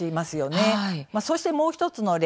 そして、もう１つの例